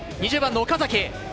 ２０番の岡崎。